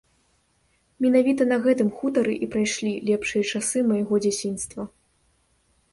Менавіта на гэтым хутары і прайшлі лепшыя часы майго дзяцінства.